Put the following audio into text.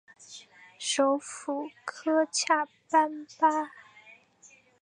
首府科恰班巴。